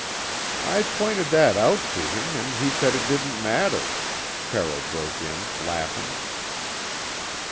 "I pointed that out to him, and he said it didn't matter," Carroll broke in, laughing.